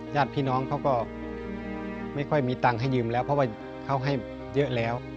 ญาติพี่น้องเขาก็ไม่ค่อยมีตังค์ให้ยืมแล้วเพราะว่าเขาให้เยอะแล้ว